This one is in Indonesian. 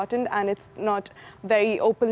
dan tidak terbuka atau terbukti